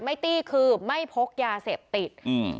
ไม่ตี้คือไม่พกยาเสพติด